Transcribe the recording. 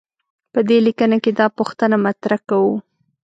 په دې لیکنه کې دا پوښتنه مطرح کوو.